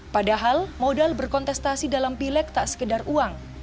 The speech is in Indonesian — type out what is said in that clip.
padahal modal berkontestasi dalam pilek tak sekedar uang